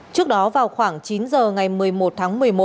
trước đó vào khoảng chín giờ ngày một mươi một tháng một mươi một